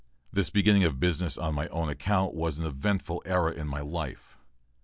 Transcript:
This beginning of business on my own account was an eventful era in my life.